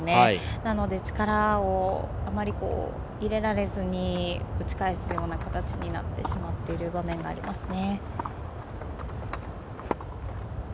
なので力をあまり入れられずに打ち返すような形になってしまっている場面がありますね。